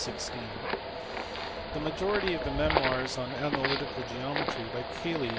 xvi. The majority of the memoirs on analytical geometry by Cayley (see pp.